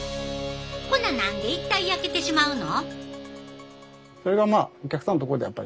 ほな何で一体焼けてしまうの？